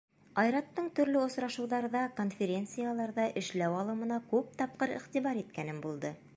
Айраттың төрлө осрашыуҙарҙа, конференцияларҙа эшләү алымына күп тапҡыр иғтибар иткәнем булды.